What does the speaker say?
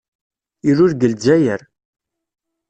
Ilul deg Lezzayer.